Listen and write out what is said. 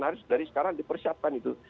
harus dari sekarang dipersiapkan itu